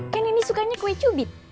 kan ini sukanya kue cubit